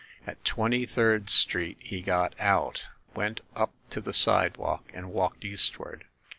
At Twenty third Street he got out, went up to the sidewalk, and walked eastward.